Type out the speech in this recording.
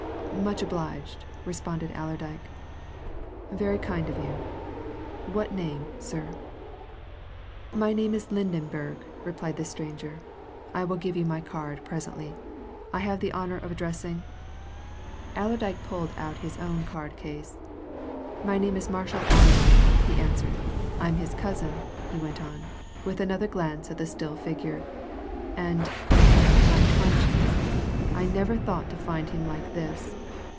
"Much obliged," responded Allerdyke. "Very kind of you. What name, sir?" "My name is Lydenberg," replied the stranger. "I will give you my card presently. I have the honour of addressing ?" Allerdyke pulled out his own card case. "My name's Marshall Allerdyke," he answered. "I'm his cousin," he went on, with another glance at the still figure. "And, my conscience, I never thought to find him like this!